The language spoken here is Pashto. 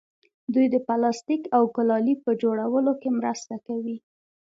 دوی د پلاستیک او ګلالي په جوړولو کې مرسته کوي.